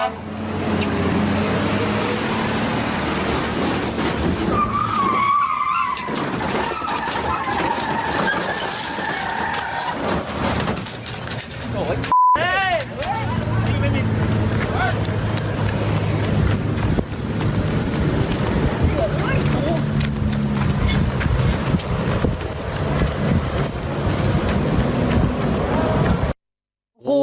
โอ้โฮ่